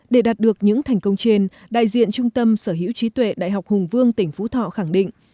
để đạt được những thành công trên đại diện trung tâm sở hữu trí tuệ đại học hùng vương tỉnh phú thọ khẳng định